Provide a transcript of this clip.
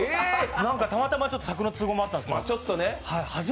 たまたま尺の都合もあったんですかね。